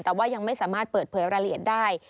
แต่ว่ายังไม่สามารถเปิดเผยรายละเอียดได้